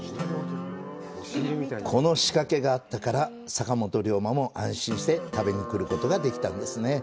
この仕掛けがあったから坂本龍馬も安心して食べに来ることができたんですね。